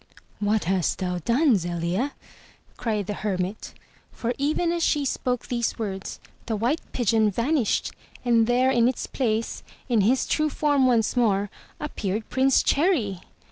"What hast thou done, Zelia?'' cried the hermit, for even as she spoke these words the white pigeon vanished, and there in its place, in his true form once more, appeared Prince Cherry.